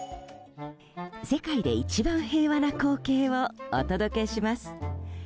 世界で一番平和な光景をお届けします。